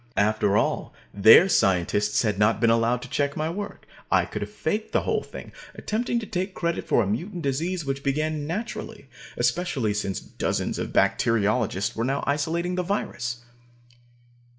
After all, their scientists had not been allowed to check my work. I could have faked the whole thing, attempting to take credit for a mutant disease which began naturally, especially since dozens of bacteriologists were now isolating the virus.